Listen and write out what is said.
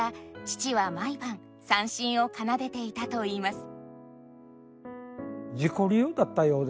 父は毎晩三線を奏でていたといいます。